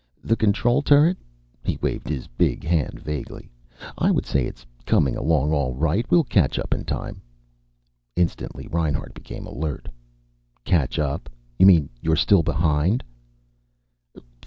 "The control turret?" He waved his big hand vaguely. "I would say it's coming along all right. We'll catch up in time." Instantly Reinhart became alert. "Catch up? You mean you're still behind?"